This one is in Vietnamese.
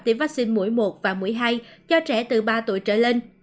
tiêm vaccine mũi một và mũi hai cho trẻ từ ba tuổi trở lên